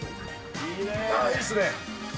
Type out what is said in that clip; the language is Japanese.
ああ、いいっすね。